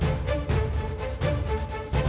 kisahmu saja yang tanda hatiku